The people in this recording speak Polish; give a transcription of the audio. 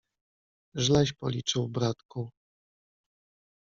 - Żleś policzył, bratku.